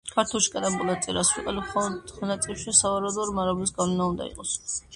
ქართულში გადაბმულად წერას ვიყენებთ მხოლოდ ხელნაწერში და სავარაუდოა, რომ არაბულის გავლენა უნდა იყოს.